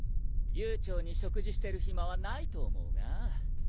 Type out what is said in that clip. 悠長に食事してる暇はないと思うが。